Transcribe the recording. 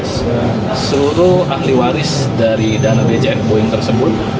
seluruh ahli waris dari dana bjm boeing tersebut